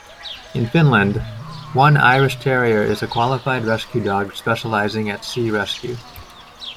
In Finland one Irish Terrier is a qualified Rescue Dog specialising at Sea Rescue.